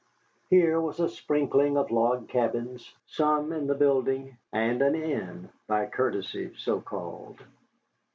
Here was a sprinkling of log cabins, some in the building, and an inn, by courtesy so called.